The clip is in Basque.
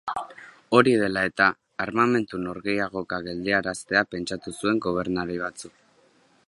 Hori dela-eta, armamentu-norgehiagoka geldiaraztea pentsatu zuten gobernari batzuk.